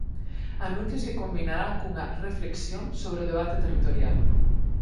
Anuncios que combinará cunha "reflexión" sobre o debate territorial.